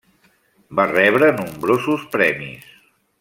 Va rebre nombrosos premis.